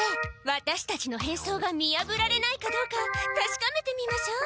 ワタシたちの変装が見やぶられないかどうかたしかめてみましょう！